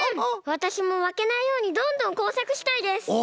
わたしもまけないようにどんどんこうさくしたいです！